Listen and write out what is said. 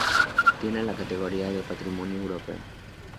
Tiene la categoría de Patrimonio Europeo.